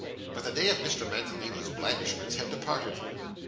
But the day of Mr. Mantalini's blandishments had departed.